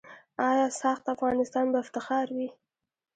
آیا "ساخت افغانستان" به افتخار وي؟